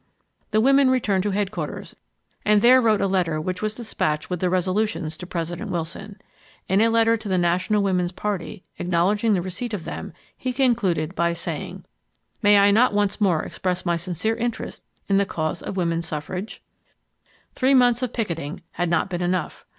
The women returned to headquarters and there wrote a letter which was dispatched with the resolutions to President Wilson. In a letter to the National Woman's Party, acknowledging the receipt of them, he concluded by saying: "May I not once more express my sincere interest in the cause of woman suffrage?" Three months of picketing had not been enough.